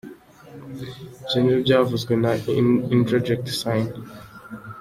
Ibyo ni ibyavuzwe na Indrajeet Singh.